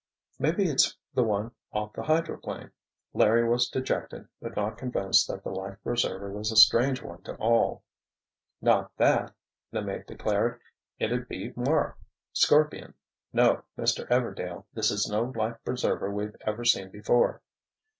"Maybe it's the one off the hydroplane," Larry was dejected, but not convinced that the life preserver was a strange one to all. "Not that!" the mate declared. "It'ud be marked Scorpion. No, Mr. Everdail, this is no life preserver we've ever seen before."